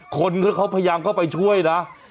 คนเขาพยายามเข้าไปช่วยนะ